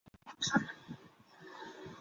维勒纳夫迪拉图人口变化图示